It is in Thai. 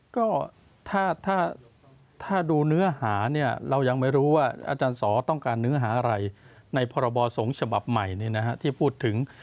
ก็ถ้าดูเนื้อหาเนี่ยเรายังไม่รู้ว่าอาจารย์สอต้องการเนื้อหาอะไรในพรบสงฆ์ฉบับใหม่ที่พูดถึง